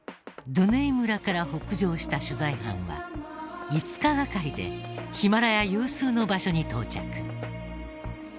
ドゥネイ村から北上した取材班は５日がかりでヒマラヤ有数の場所に到着。